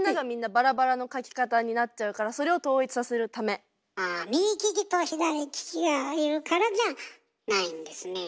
そこでそれをあ右利きと左利きがいるからじゃないんですねえ。